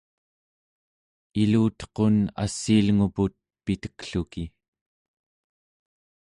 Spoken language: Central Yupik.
ilutequn assiilnguput pitekluki